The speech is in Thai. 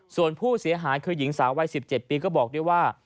ส่วนผู้เสียหายคือหญิงสาววัย๑๗ปีก็บอกด้วยว่า